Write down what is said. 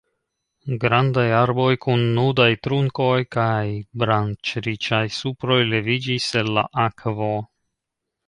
Grandaj arboj kun nudaj trunkoj kaj branĉriĉaj suproj leviĝis el la akvo.